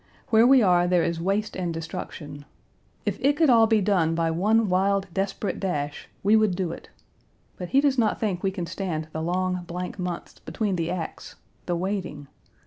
Where we are there is waste and destruction. If it could all be done by one wild, desperate dash, we would do it. But he does not think we can stand the long, blank months between the acts the waiting!